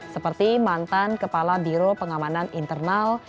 seperti mantan kepala biro pengamanan internal